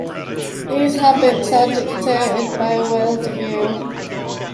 These habits are dictated by a world view.